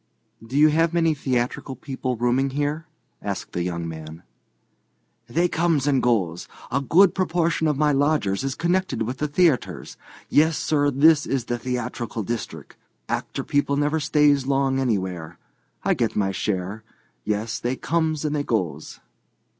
"Do you have many theatrical people rooming here?" asked the young man. "They comes and goes. A good proportion of my lodgers is connected with the theatres. Yes, sir, this is the theatrical district. Actor people never stays long anywhere. I get my share. Yes, they comes and they goes."